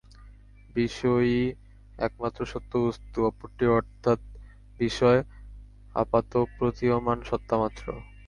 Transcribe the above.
বিষয়ীই একমাত্র সত্য বস্তু, অপরটি অর্থাৎ বিষয় আপাতপ্রতীয়মান সত্তামাত্র।